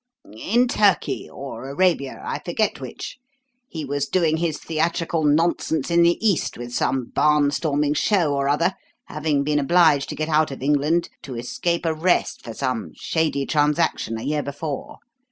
"In Turkey or Arabia I forget which. He was doing his theatrical nonsense in the East with some barn storming show or other, having been obliged to get out of England to escape arrest for some shady transaction a year before.